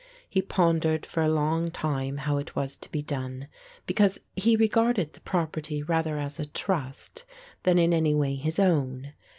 He pondered for a long time how it was to be done; because he regarded the property rather as a trust than in any way his own.